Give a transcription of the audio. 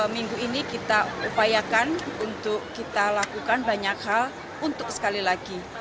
minggu ini kita upayakan untuk kita lakukan banyak hal untuk sekali lagi